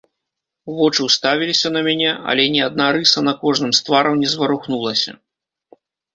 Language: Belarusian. Вочы ўставіліся на мяне, але ні адна рыса на кожным з твараў не зварухнулася.